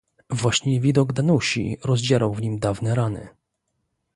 "Właśnie widok Danusi rozdzierał w nim dawne rany."